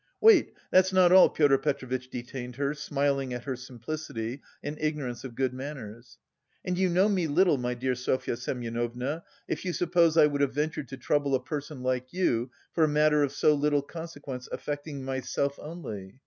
"Wait, that's not all," Pyotr Petrovitch detained her, smiling at her simplicity and ignorance of good manners, "and you know me little, my dear Sofya Semyonovna, if you suppose I would have ventured to trouble a person like you for a matter of so little consequence affecting myself only.